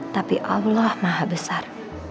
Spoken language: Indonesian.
tapi allah maha besar